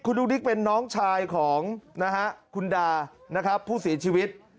ดุ๊กดิ๊กเป็นน้องชายของนะฮะคุณดานะครับผู้เสียชีวิต